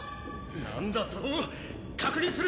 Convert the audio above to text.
なんだと！？確認する。